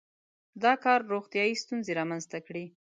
• دا کار روغتیايي ستونزې رامنځته کړې.